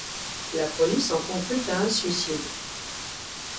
Le police en conclut à un suicide.